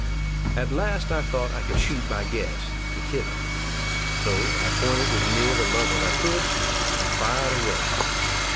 At last I thought I could shoot by guess, and kill him; so I pointed as near the lump as I could, and fired away.